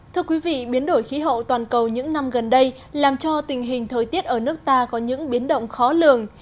thưa quý vị biến đổi khí hậu toàn cầu những năm gần đây làm cho tình hình thời tiết ở nước ta có những biến động khó lường